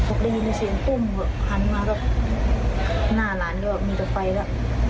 พอได้ยินเสียงปุ้มหันมาก็หน้าหลานก็มีแต่ไฟแล้ว